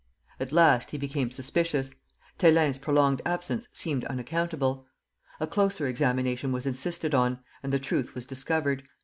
At last he became suspicious. Thélin's prolonged absence seemed unaccountable. A closer examination was insisted on, and the truth was discovered.